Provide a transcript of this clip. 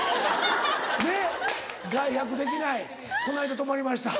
ねっ「外泊できない」「この間泊まりました」。